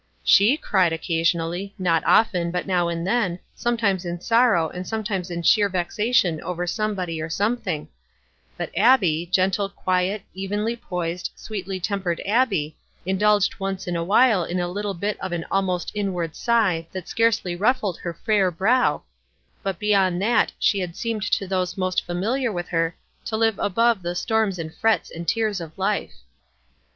She cried occasionally, not often, but now and then, some times in sorrow, and sometimes in sheer vexa tion over somebody or something ; but Abbie, gentle, quiet, evenly poised, sweetly tempered Abbie, indulged once in a while in a little bit of an almost inward sigh that scarcely ruffled her fair brow, but beyond that she had seemed to those most familiar with her to live above the Btorms and frets and tears of life.